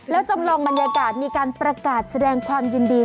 แล้วจำลองบรรยากาศมีการประกาศแสดงความยินดี